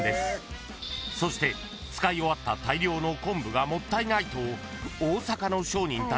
［そして使い終わった大量の昆布がもったいないと］